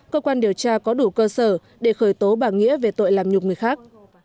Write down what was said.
cơ quan điều tra có đủ cơ sở để khởi tố bà nghĩa về tội làm nhục người khác